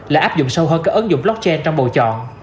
là áp dụng sâu hơn các ứng dụng blockchain trong bầu chọn